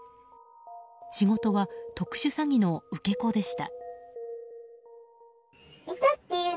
仕事は特殊詐欺の受け子でした。